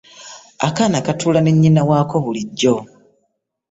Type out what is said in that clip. Akaana katuula ne nnyina waako bulijjo.